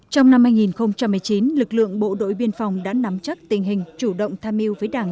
trong năm hai nghìn một mươi chín lực lượng bộ đội biên phòng đã nắm chắc tình hình chủ động tham yêu với đảng